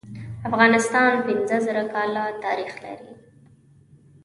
افغانستان پینځه زره کاله تاریخ لري.